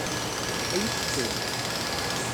Ad iyi-t-fken?